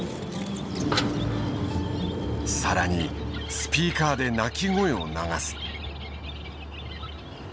さらにスピーカーで鳴き声を流す。